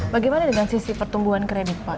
bagaimana dengan sisi pertumbuhan kredit pak